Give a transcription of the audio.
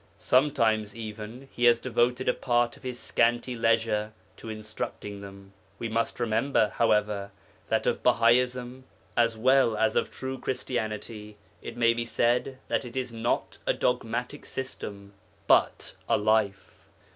Sometimes even he has devoted a part of his scanty leisure to instructing them. We must remember, however, that of Bahaism as well as of true Christianity it may be said that it is not a dogmatic system, but a life.